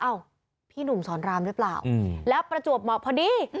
พี่หนุ่มสอนรามหรือเปล่าแล้วประจวบเหมาะพอดี